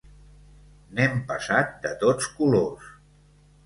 N'hem passat de tots colors.